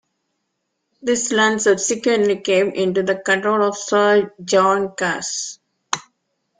This land subsequently came into the control of Sir John Cass.